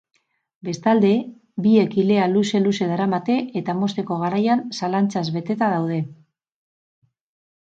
Bestalde, biek ilea luze-luze daramate eta mozteko garaian zalantzaz beteta daude.